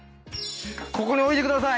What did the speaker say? ここに置いてください！